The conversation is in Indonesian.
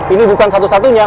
ini bukan satu satunya